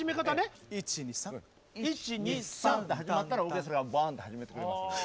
１２３。って始まったらオーケストラがバンって始めてくれますので。